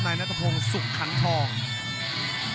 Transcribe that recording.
นายนัตรพงศ์สุขคันทอง